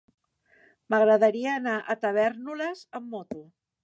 M'agradaria anar a Tavèrnoles amb moto.